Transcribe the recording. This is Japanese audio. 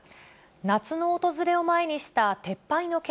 夏の訪れを前にした撤廃の決